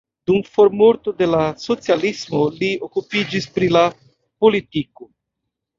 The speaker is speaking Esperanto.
Dum formorto de la socialismo li okupiĝis pri la politiko.